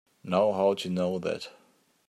Now how'd you know that?